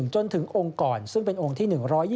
จนถึงองค์ก่อนซึ่งเป็นองค์ที่๑๒